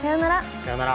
さようなら。